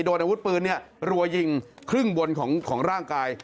โดนนังวุฒิปือนี้รวยยิงครึ่งบนของของร่างกาย